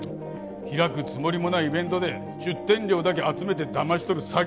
開くつもりもないイベントで出店料だけ集めて騙し取る詐欺だったんですよ。